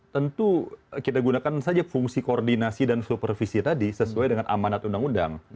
tentu kita gunakan saja fungsi koordinasi dan supervisi tadi sesuai dengan amanat undang undang